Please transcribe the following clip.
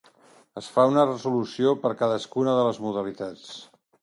Es fa una resolució per a cadascuna de les modalitats.